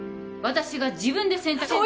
私が自分で選択